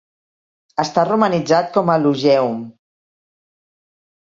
Està romanitzat com a "Lugeum".